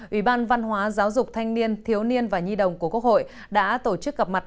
ủy ban văn hóa giáo dục thanh niên thiếu niên và nhi đồng của quốc hội đã tổ chức gặp mặt